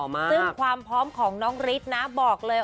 ซึ่งความพร้อมของน้องฤทธิ์นะบอกเลย